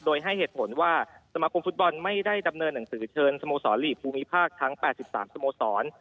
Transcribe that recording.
โดยให้เหตุผลว่าสมาคมฟุตบอลไม่ได้ดำเนินหนังสือเชิญสโมสรหลีกภูมิภาคทั้ง๘๓สโมสร